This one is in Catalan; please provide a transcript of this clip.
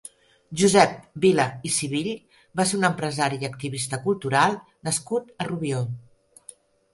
Josep Vila i Sivill va ser un empresari i activista cultural nascut a Rubió.